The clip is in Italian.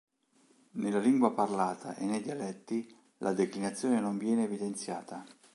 Nella lingua parlata e nei dialetti la declinazione non viene evidenziata.